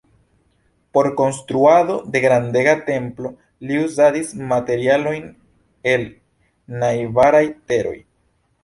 Por konstruado de grandega templo li uzadis materialojn el najbaraj teroj.